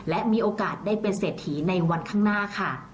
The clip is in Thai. และมีโอกาสได้เป็นเศรษฐีในวันข้างหน้าค่ะ